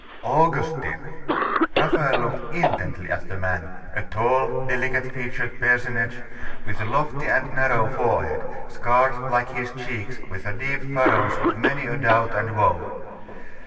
Augustine! Raphael looked intently at the man, a tall, delicate featured personage, with a lofty and narrow forehead, scarred like his cheeks with the deep furrows of many a doubt and woe.